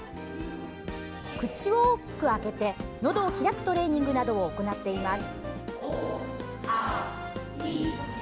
口を大きく開けて、のどを開くトレーニングなどを行っています。